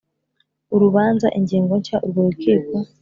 urubanza ingingo nshya urwo Rukiko